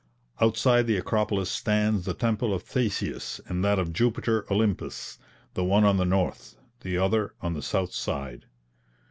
Outside the Acropolis stands the temple of Theseus and that of Jupiter Olympus; the one on the north, the other on the south side.